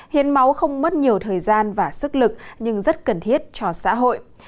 hiến máu không mất nhiều thời gian và sức lực nhưng rất cần thiết cho sản phẩm